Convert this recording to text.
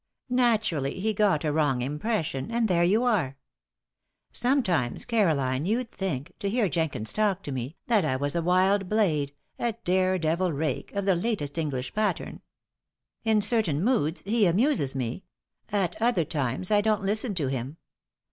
Naturally, he got a wrong impression, and there you are! Sometimes, Caroline, you'd think, to hear Jenkins talk to me, that I was a wild blade, a dare devil rake, of the latest English pattern. In certain moods, he amuses me; at other times, I don't listen to him.